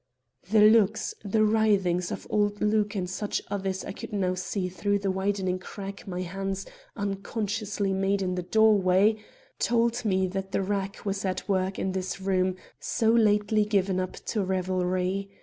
The looks, the writhings of old Luke and such others as I could now see through the widening crack my hands unconsciously made in the doorway, told me that the rack was at work in this room so lately given up to revelry.